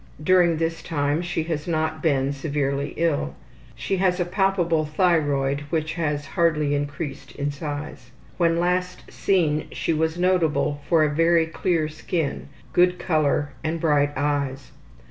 During this time she has not been severely ill. She has a palpable thyroid which has hardly increased in size. When last seen she was notable for a very clear skin, good color, and bright eyes.